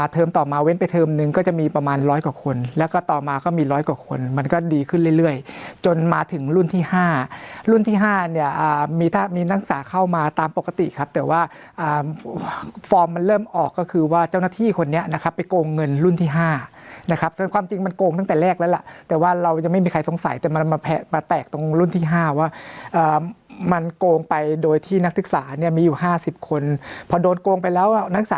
เทอมนึงก็จะมีประมาณร้อยกว่าคนแล้วก็ต่อมาก็มีร้อยกว่าคนมันก็ดีขึ้นเรื่อยเรื่อยจนมาถึงรุ่นที่ห้ารุ่นที่ห้าเนี้ยอ่ามีท่ามีนักศึกษาเข้ามาตามปกติครับแต่ว่าอ่าฟอร์มมันเริ่มออกก็คือว่าเจ้าหน้าที่คนนี้นะครับไปโกงเงินรุ่นที่ห้านะครับเพราะว่าความจริงมันโกงตั้งแต่แรกแล้ว